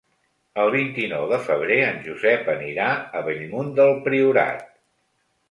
El vint-i-nou de febrer en Josep anirà a Bellmunt del Priorat.